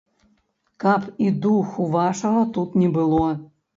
Каб і духу вашага тут не было.